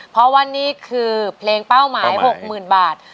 เพราะว่านี่คือเพลงเป้าหมาย๖๐๐๐บาท